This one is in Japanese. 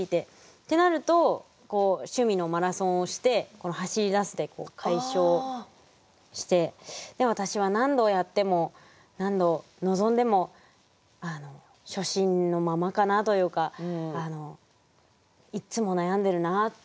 ってなると趣味のマラソンをしてこの「走り出す」で解消して私は何度やっても何度臨んでも初心のままかなというかいっつも悩んでるなっていう。